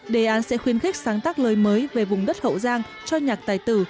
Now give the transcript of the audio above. đề án sẽ khuyến khích sáng tác lời mới về vùng đất hậu giang cho nhạc tài tử